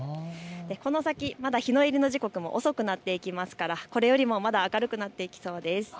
この先まだ日の入りの時刻も遅くなっていますからこれよりもまだ明るくなっていきそうです。